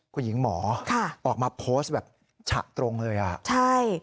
คุณหญิงหมอออกมาโพสต์แบบฉะตรงเลยอ่ะใช่